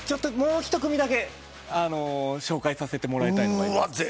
もう１組だけ紹介させてもらいたいと思います。